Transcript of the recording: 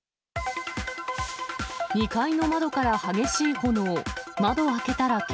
２階の窓から激しい炎。